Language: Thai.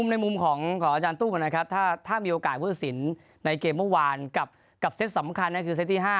ในมุมของของอาจารย์ตุ้งกันนะครับถ้ามีโอกาสเพื่อสิห์ในเกมเมื่อวานกับเซ็ตสำคัญนี่คือเซ็ตที่๕